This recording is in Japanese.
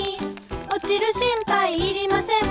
「おちる心配いりません」